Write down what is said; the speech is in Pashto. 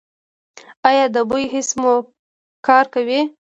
ایا د بوی حس مو کار کوي؟